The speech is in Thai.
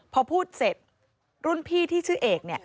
พอพูดเสร็จรุ่นพี่ที่ชื่อเอก